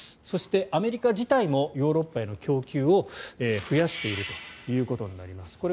そして、アメリカ自体もヨーロッパへの供給を増やしているということになります。